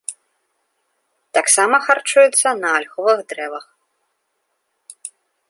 Таксама харчуюцца на альховых дрэвах.